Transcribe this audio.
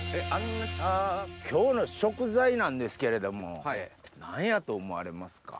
今日の食材なんですけれども何やと思われますか？